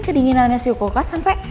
kedinginannya si kulkas sampe